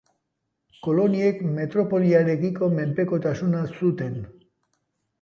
Koloniek metropoliarekiko menpekotasuna zuten.